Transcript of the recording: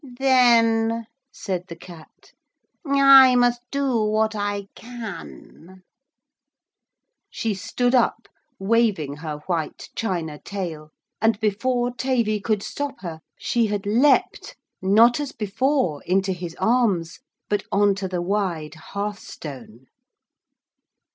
'Then,' said the Cat, 'I must do what I can!' She stood up, waving her white china tail, and before Tavy could stop her she had leapt, not, as before, into his arms, but on to the wide hearthstone.